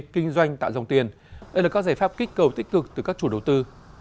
kinh doanh tạo dòng tiền đây là các giải pháp kích cầu tích cực từ các chủ đầu tư